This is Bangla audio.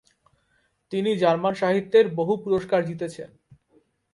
তিনি জার্মান সাহিত্যের বহু পুরস্কার জিতেছেন।